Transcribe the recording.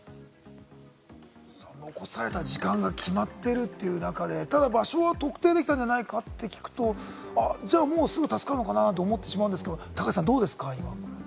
残された時間が決まっているという中で、ただ場所は特定できたんじゃないかって聞くと、もう、すぐ助かるのかなって思っちゃうんですけれども高橋さん、どうですか？